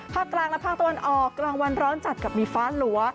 กลางและภาคตะวันออกกลางวันร้อนจัดกับมีฟ้าหลัว